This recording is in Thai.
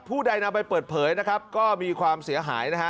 ใดนำไปเปิดเผยนะครับก็มีความเสียหายนะฮะ